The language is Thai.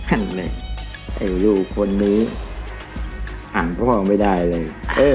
ไอ้ลูกคนนี้อ่านพ่อไม่ได้เลย